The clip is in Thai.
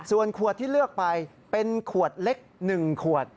ส่วนขวดที่เลือกไปเป็นขวดเล็ก๑ขวด